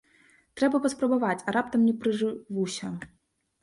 Трэба паспрабаваць, а раптам не прыжывуся.